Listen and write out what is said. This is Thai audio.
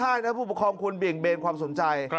แล้วร้องไห้ผู้ประคบคนเบลงเบนความสนใจ